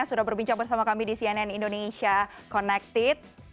sudah berbincang bersama kami di cnn indonesia connected